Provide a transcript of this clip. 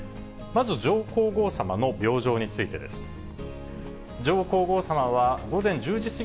まず上皇后さまの病状についてです。